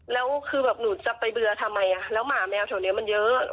แล้วคือแบบหนูจะไปเบื่อทำไมแล้วหมาแมวแถวนี้มันเยอะ